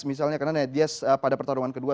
misalnya karena nate diaz pada pertarungan kedua